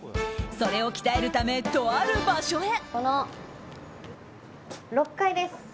それを鍛えるため、とある場所へ。